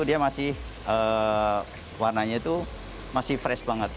dia masih warnanya itu masih fresh banget